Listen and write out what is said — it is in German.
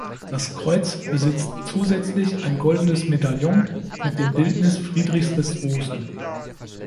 Das Kreuz besitzt zusätzlich ein goldenes Medaillon mit dem Bildnis Friedrichs des Großen.